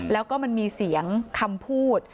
แล้วก็มันมีเสียงคำพูด